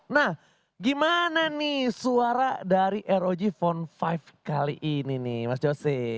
nah gimana nih suara dari rog phone lima kali ini nih mas jose